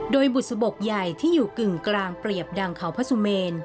โดยบุษบกใหญ่ที่อยู่กึ่งกลางเปรียบดังเขาพระสุเมน